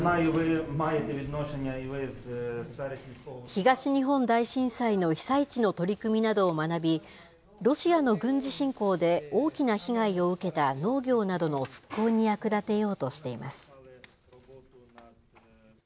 東日本大震災の被災地の取り組みなどを学び、ロシアの軍事侵攻で大きな被害を受けた農業などの復興に役立てようとしています。